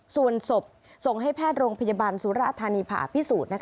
ส่วนศพส่งให้แพทย์โรงพยาบาลสุราธานีผ่าพิสูจน์